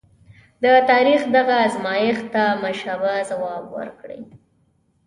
د تاریخ دغه ازمایښت ته مشابه ځواب ورکړی دی.